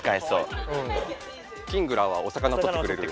キングラーはお魚をとってくれる。